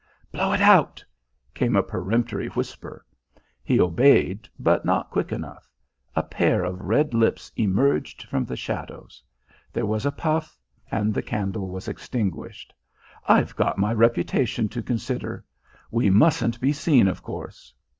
"Blow it out!" came a peremptory whisper. He obeyed, but not quick enough. A pair of red lips emerged from the shadows. There was a puff, and the candle was extinguished. "I've got my reputation to consider. We mustn't be seen, of course!"